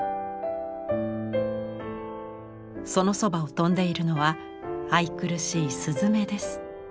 そのそばを飛んでいるのは愛くるしい雀です。